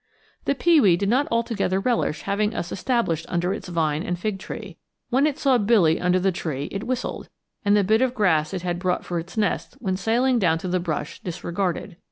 The pewee did not altogether relish having us established under its vine and fig tree. When it saw Billy under the tree it whistled, and the bit of grass it had brought for its nest went sailing down to the brush disregarded.